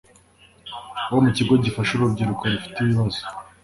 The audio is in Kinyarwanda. wo mu kigo gifasha urubyiruko rufite ibibazo